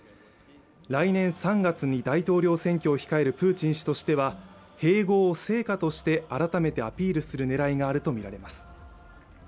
来年３月に大統領選挙を控えるプーチン氏としては併合を成果として改めてアピールする狙いがあると見られます